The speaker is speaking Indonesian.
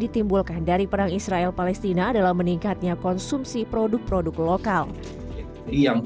ditimbulkan dari perang israel palestina adalah meningkatnya konsumsi produk produk lokal yang